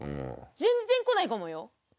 全然来ないかもよ！